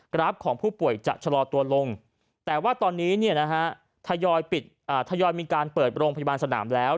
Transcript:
ราฟของผู้ป่วยจะชะลอตัวลงแต่ว่าตอนนี้ทยอยมีการเปิดโรงพยาบาลสนามแล้ว